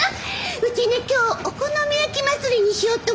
うちね今日お好み焼き祭りにしようと思って。